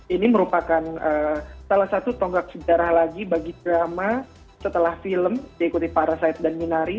ini merupakan salah satu tonggak sejarah lagi bagi drama setelah film diikuti parasite dan minari